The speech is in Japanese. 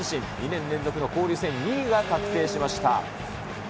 ２年連続の交流戦２位が確定しました。